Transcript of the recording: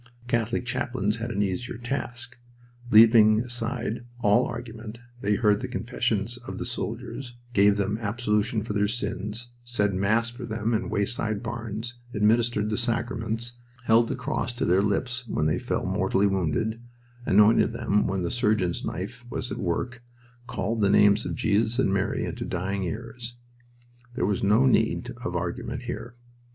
Catholic chaplains had an easier task. Leaving aside all argument, they heard the confessions of the soldiers, gave them absolution for their sins, said mass for them in wayside barns, administered the sacraments, held the cross to their lips when they fell mortally wounded, anointed them when the surgeon's knife was at work, called the names of Jesus and Mary into dying ears. There was no need of argument here.